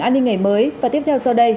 an ninh ngày mới và tiếp theo sau đây